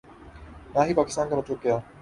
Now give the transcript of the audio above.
نا ہی پاکستان کا مطلب کیا